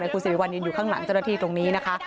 คุณสิริวัลยืนอยู่ข้างหลังเจ้าหน้าที่ตรงนี้นะคะ